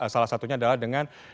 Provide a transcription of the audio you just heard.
salah satunya adalah dengan